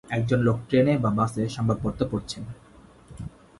একজন লোক ট্রেনে বা বাসে সংবাদপত্র পড়ছেন।